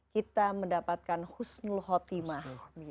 kita mendapatkan husnul hotimah